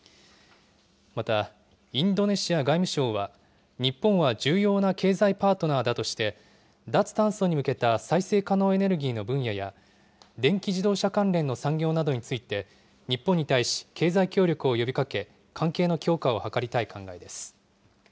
また、インドネシア外務省は、日本は重要な経済パートナーだとして、脱炭素に向けた再生可能エネルギーの分野や、電気自動車関連の産業などについて日本に対し、経済協力を呼びかけ、関係の強化を図りたい考えです。